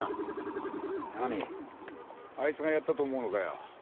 あいつがやったと思うのかよ？